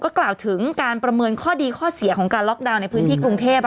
กล่าวถึงการประเมินข้อดีข้อเสียของการล็อกดาวน์ในพื้นที่กรุงเทพ